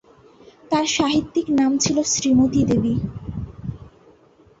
তার সাহিত্যিক ছদ্মনাম ছিল "শ্রীমতী দেবী"।